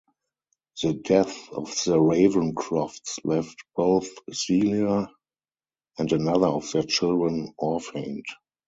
The death of the Ravenscrofts left both Celia and another of their children orphaned.